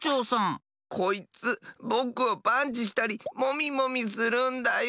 こいつぼくをパンチしたりモミモミするんだよ。